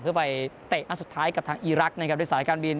เพื่อไปเตะนัดสุดท้ายกับทางอีรักษ์นะครับด้วยสายการบิน